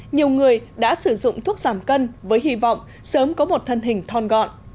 nhiều người đã sử dụng thuốc giảm cân với hy vọng sớm có một thân hình thon gọn